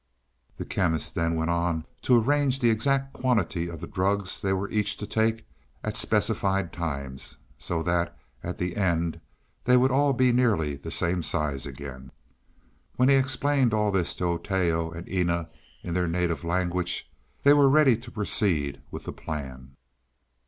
The Chemist then went on to arrange the exact quantities of the drugs they were each to take at specified times, so that at the end they would all be nearly the same size again. When he had explained all this to Oteo and Eena in their native language, they were ready to proceed with the plan.